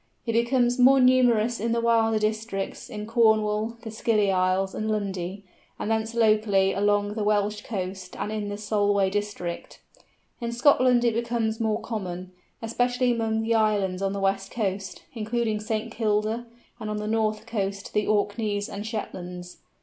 It becomes more numerous in the wilder districts, in Cornwall, the Scilly Islands, and Lundy, and thence locally along the Welsh coast and in the Solway district. In Scotland it becomes more common, especially among the islands of the west coast, including St. Kilda, and on the north coast to the Orkneys and Shetlands.